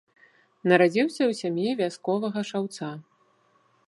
Нарадзіўся ў сям'і вясковага шаўца.